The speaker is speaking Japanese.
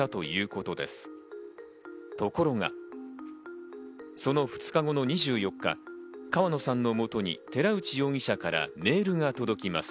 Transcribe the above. ところが、その２日後の２４日、川野さんの元に寺内容疑者からメールが届きます。